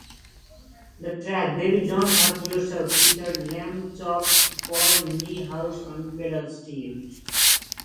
The track "Baby, Don't Hurt Yourself" featured Lambchop's Paul Niehauss on pedal-steel.